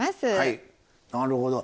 なるほど。